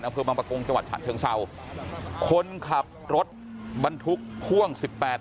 อำเภอบางประกงจังหวัดฉะเชิงเศร้าคนขับรถบรรทุกพ่วงสิบแปด